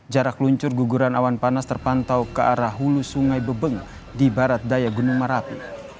jarak luncur guguran awan panas terpantau ke arah hulu sungai bebeng di barat daya gunung merapi